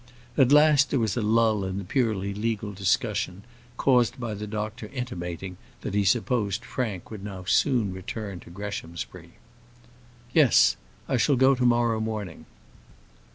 At last there was a lull in the purely legal discussion, caused by the doctor intimating that he supposed Frank would now soon return to Greshamsbury. "Yes; I shall go to morrow morning."